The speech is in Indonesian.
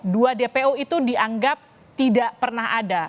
dua dpo itu dianggap tidak pernah ada